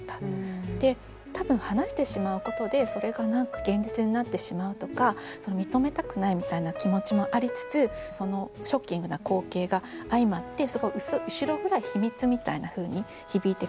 多分話してしまうことでそれが現実になってしまうとか認めたくないみたいな気持ちもありつつそのショッキングな光景が相まって後ろ暗い秘密みたいなふうに響いてくる。